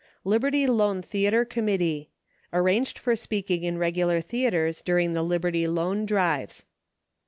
Liberty Loan Theatre Committee. Arranged for speaking in regu lar theatres during the Liberty Loan drives.